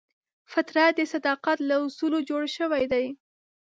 فطرت د صداقت له اصولو جوړ شوی دی.